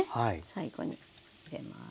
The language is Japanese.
最後に入れます。